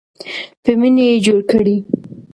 په مینه یې جوړ کړئ.